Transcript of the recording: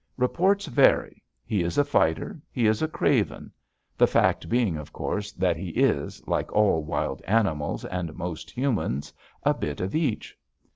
Reports vary he is a fighter; he is a craven; the fact being, of course, that he is, like all wild animals and most humans, a bit of each.